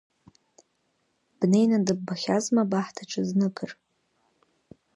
Бнеины дыббахьазма абахҭаҿы зныкыр?